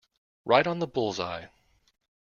Right on the bull's-eye.